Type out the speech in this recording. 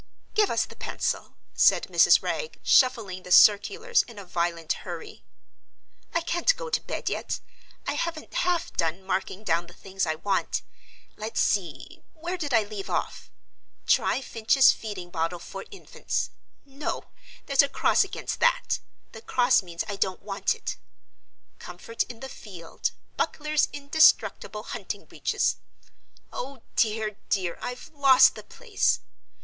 "Give us the pencil," said Mrs. Wragge, shuffling the circulars in a violent hurry. "I can't go to bed yet—I haven't half done marking down the things I want. Let's see; where did I leave off? Try Finch's feeding bottle for Infants. No! there's a cross against that: the cross means I don't want it. Comfort in the Field. Buckler's Indestructible Hunting breeches. Oh dear, dear! I've lost the place.